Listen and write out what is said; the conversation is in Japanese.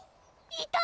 いた！